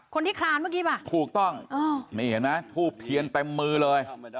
คลานเมื่อกี้ป่ะถูกต้องนี่เห็นไหมทูบเทียนเต็มมือเลย